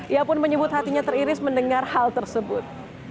ia pun menyebut hatinya teriris mendengar hal tersebut